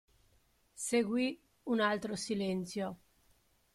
Seguì un altro silenzio.